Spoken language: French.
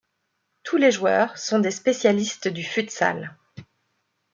Tous les joueurs sont des spécialistes du futsal.